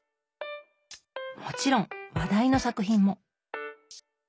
もちろん話題の作品も。